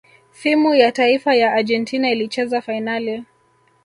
fimu ya taifa ya Argentina ilicheza fainali